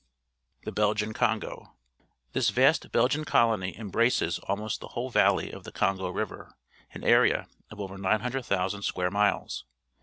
THE BELGIAN CONGO '^''' This vast Belgian colony embraces almost the whole valley of the Congo River — an area of over 900,000 square miles.